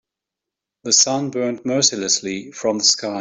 The sun burned mercilessly from the sky.